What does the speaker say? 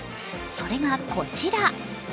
それが、こちら。